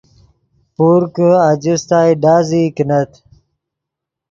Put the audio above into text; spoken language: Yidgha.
پور کہ آجستائے ڈازئی کینت